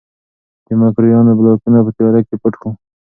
د مکروریانو بلاکونه په تیاره کې پټ وو.